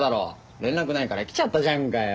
連絡ないから来ちゃったじゃんかよ。